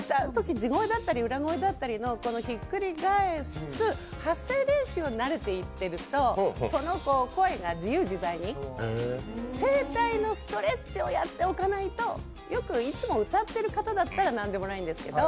地声だったり裏声だったりのひっくり返す発声練習に慣れていくと声が自由自在に、声帯のストレッチを行っておかないとよく、いつも歌っている方だったら何でもないんですけど。